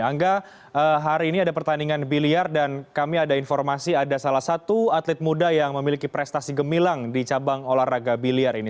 angga hari ini ada pertandingan biliar dan kami ada informasi ada salah satu atlet muda yang memiliki prestasi gemilang di cabang olahraga biliar ini